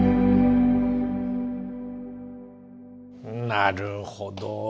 なるほど。